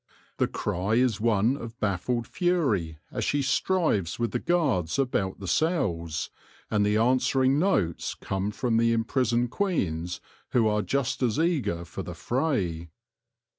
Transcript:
The cry is one of baffled fury as she strives with the guards about the cells, and the answering notes come from the imprisoned queens who are just as eager for the fray.